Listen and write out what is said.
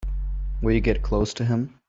Will you get close to him?